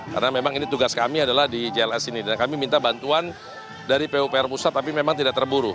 karena memang ini tugas kami adalah di jls ini dan kami minta bantuan dari pupr pusat tapi memang tidak terburu